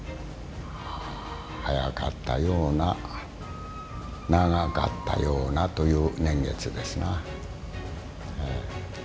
早かったような長かったようなという年月ですな。